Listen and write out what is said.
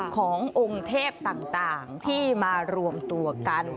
ขององค์เทพต่างที่มารวมตัวกัน